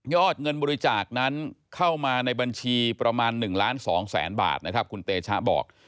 เงินบริจาคนั้นเข้ามาในบัญชีประมาณ๑ล้าน๒แสนบาทนะครับคุณเตชะบอก